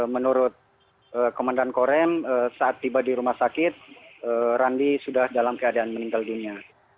menurut komandan korem saat tiba di rumah sakit randi sudah dalam keadaan meninggal dunia